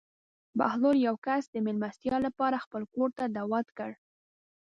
بهلول یو کس د مېلمستیا لپاره خپل کور ته دعوت کړ.